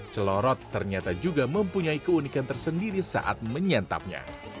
celorot ternyata juga mempunyai keunikan tersendiri saat menyantapnya